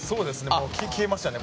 もう消えましたね！